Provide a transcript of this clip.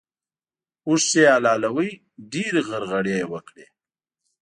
اوښ چې يې حلالوی؛ ډېرې غرغړې يې وکړې.